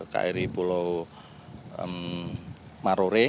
kri pulau marore